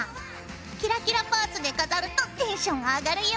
キラキラパーツで飾るとテンション上がるよ！